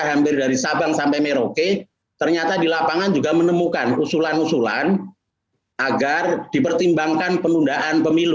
hampir dari sabang sampai merauke ternyata di lapangan juga menemukan usulan usulan agar dipertimbangkan penundaan pemilu